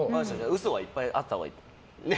嘘はいっぱいあったほうがいい？